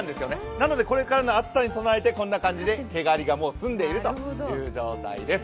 なのでこれからの暑さに備えてこんな感じで毛刈りが済んでいるということです。